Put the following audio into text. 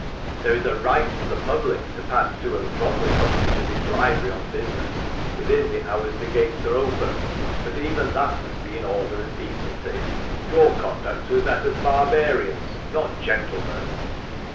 There is a right for the public to pass to and from the College and its library on business, within the hours the gates are open ; but even that must be in order and decency. Your conduct was that of barbarians, not gentlemen."